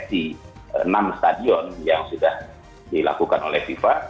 ya sudah di enam stadion yang sudah dilakukan oleh viva